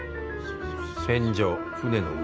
船上船の上。